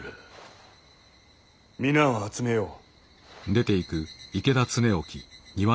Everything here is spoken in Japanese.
皆を集めよう。